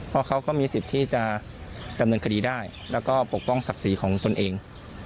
เพราะเขาก็มีสิทธิ์ที่จะดำเนินคดีได้แล้วก็ปกป้องศักดิ์ศรีของตนเอง